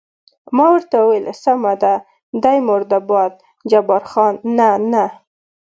ما ورته وویل: سمه ده، دی مرده باد، جبار خان: نه، نه.